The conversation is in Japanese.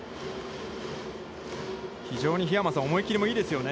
非常に桧山さん、思い切りもいいですよね。